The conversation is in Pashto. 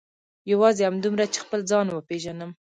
یوازې همدومره چې خپل ځان وپېژنم.